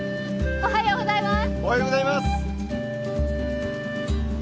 おはようございます。